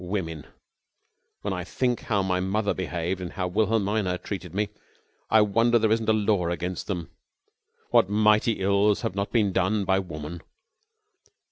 Women! When I think how mother behaved and how Wilhelmina treated me I wonder there isn't a law against them. 'What mighty ills have not been done by Woman!